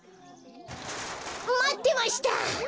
まってました！